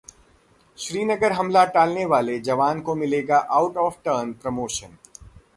श्रीनगर हमला टालने वाले जवान को मिलेगा आउट ऑफ टर्न प्रमोशन